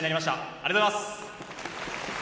ありがとうございます。